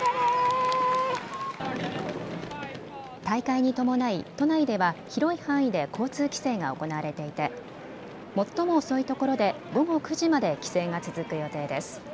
大会に伴い都内では広い範囲で交通規制が行われていて最も遅い所で午後９時まで規制が続く予定です。